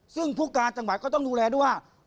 ซึ่งผู้การจังหวัดก็ต้องดูแลด้วยว่า